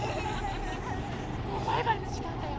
もうバイバイのじかんだよ。